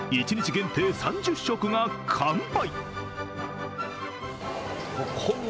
限定３０食が完売。